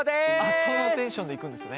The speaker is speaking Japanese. そのテンションでいくんですね。